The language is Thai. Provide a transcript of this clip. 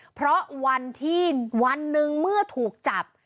เพราะวันที่วันหนึ่งเมื่อถูกจับ